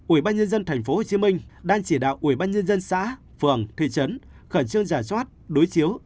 ủy ban nhân dân thành phố hồ chí minh đang chỉ đạo ủy ban nhân dân xã phường thị trấn khẩn trương giả soát đối chiếu